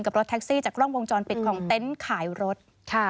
รถแท็กซี่จากกล้องวงจรปิดของเต็นต์ขายรถ